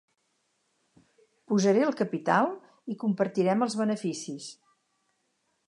Posaré el capital i compartirem els beneficis.